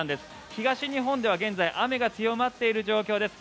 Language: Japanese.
東日本では現在雨が強まっている状況です。